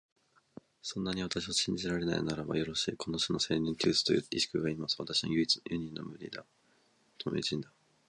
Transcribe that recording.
そんなに私を信じられないならば、よろしい、この市にセリヌンティウスという石工がいます。私の無二の友人だ。